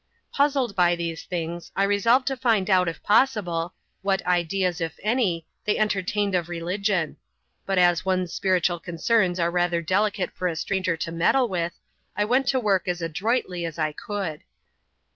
Puzzled by these things, I resolved to find out, if possible, what ideas, if any, they entertained of religion ; but as one's spiritual concerns are rather delicate for a stranger to meddle with, I went to work as adroitly as I could.